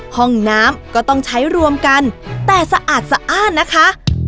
ห้องน้ำก็ต้องใช้รวมกันแต่สะอาดสะอ้านนะคะ